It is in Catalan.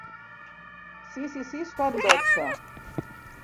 Sis i sis fan dotze.